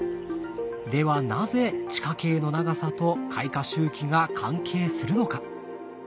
ではなぜ地下茎の長さと開花周期が関係するのか？